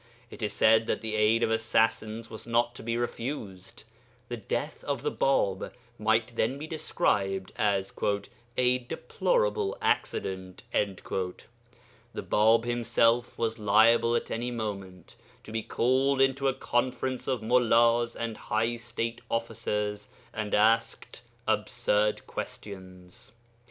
It is said that the aid of assassins was not to be refused; the death of the Bāb might then be described as 'a deplorable accident.' The Bāb himself was liable at any moment to be called into a conference of mullas and high state officers, and asked absurd questions.